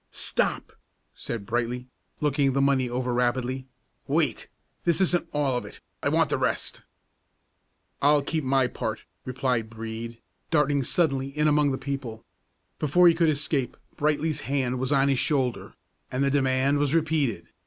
"Stop!" said Brightly, looking the money over rapidly. "Wait! This isn't all of it; I want the rest." "I'll keep my part," replied Brede, darting suddenly in among the people. Before he could escape, Brightly's hand was on his shoulder, and the demand was repeated.